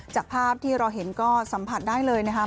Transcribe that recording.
จากภาพที่เราเห็นก็สัมผัสได้เลยนะคะ